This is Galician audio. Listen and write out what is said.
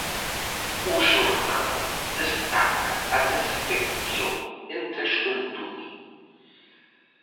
O xornal destaca a desafección entre a xuventude.